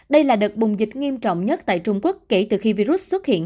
đây là đợt bùng dịch nghiêm trọng nhất tại trung quốc kể từ khi virus xuất hiện